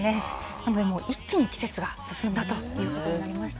なので、一気に季節が進んだということになりました。